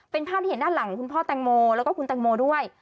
เป็นภาพที่เห็นด้านหลังคุณพ่อแตงโมแล้วก็คุณแตงโมด้วย